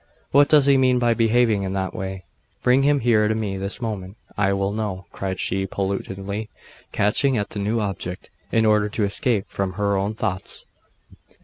'What does he mean by behaving in that way? Bring him here to me this moment! I will know!' cried she, petulantly catching at the new object, in order to escape from her own thoughts.